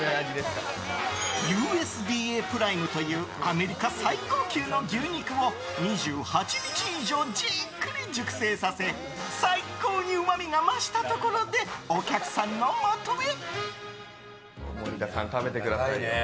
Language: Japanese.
ＵＳＤＡプライムというアメリカ最高級の牛肉を２８日以上じっくり熟成させ最高にうまみが増したところでお客さんのもとへ。